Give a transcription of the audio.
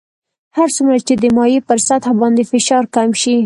هر څومره چې د مایع پر سطح باندې فشار کم شي.